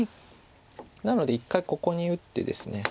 なので１回ここに打ってですね